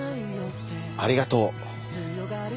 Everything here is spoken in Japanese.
ありがとう。